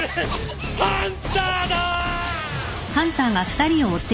ハンターだー！